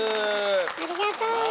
ありがと。